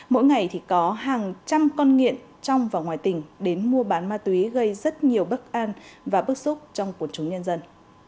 mỗi ngày thì có hàng trăm con nghiện trong và ngoài tỉnh đến mua bán ma túy gây rất nhiều bất an và bức xúc trong quần chúng nhân dân